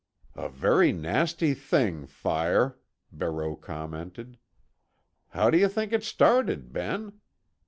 "A very nasty thing, fire," Barreau commented. "How do you think it started, Ben?"